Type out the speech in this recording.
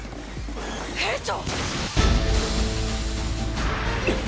兵長！